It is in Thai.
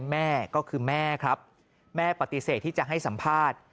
แม่ก็คือแม่ครับแม่ปฏิเสธที่จะให้สัมภาษณ์